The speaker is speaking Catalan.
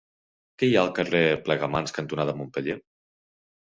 Què hi ha al carrer Plegamans cantonada Montpeller?